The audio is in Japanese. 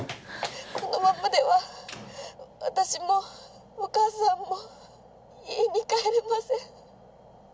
このままでは私もお母さんも家に帰れません。